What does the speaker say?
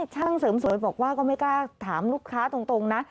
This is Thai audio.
ช่างเสริมสวยบอกว่าก็ไม่กล้าถามลูกค้าตรงนะ